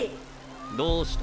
どうした？